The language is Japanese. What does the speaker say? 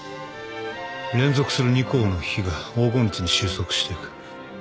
連続する２項の比が黄金率に収束していく。